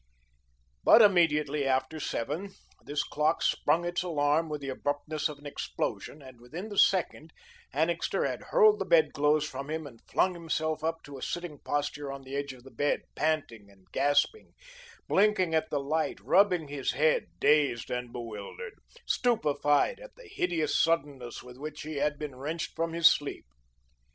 But immediately after seven, this clock sprung its alarm with the abruptness of an explosion, and within the second, Annixter had hurled the bed clothes from him and flung himself up to a sitting posture on the edge of the bed, panting and gasping, blinking at the light, rubbing his head, dazed and bewildered, stupefied at the hideous suddenness with which he had been wrenched from his sleep.